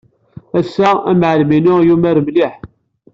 Ass-a, amɛellem-inu yumar mliḥ.